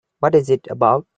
What is it about?